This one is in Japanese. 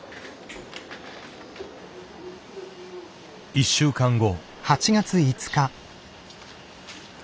１週間後。